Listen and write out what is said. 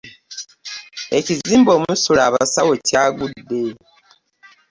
Ekizimbe omusula abasawo kyagudde.